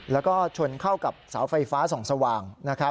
แล้วก็ชนเข้ากับสาวไฟฟ้าสร่าง